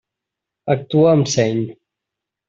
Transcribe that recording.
Actua amb seny.